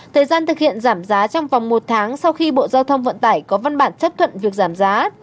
thời gian thực hiện giảm giá trong vòng một tháng sau khi bộ giao thông vận tải có văn bản chấp thuận việc giảm giá